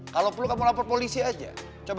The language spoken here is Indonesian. kalau perlu kamu lapor polisi aja coba